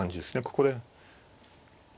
ここで。